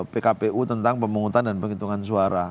pkpu tentang pemungutan dan penghitungan suara